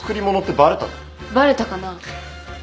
バレたかな？